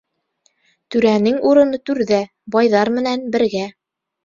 Түрәнсң урыны түрҙә, байҙар менән бергә.